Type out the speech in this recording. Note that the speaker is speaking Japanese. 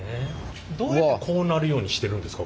どうやってこうなるようにしてるんですか？